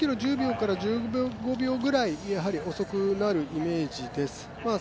１ｋｍ１０１５秒ぐらい遅くなるイメージです。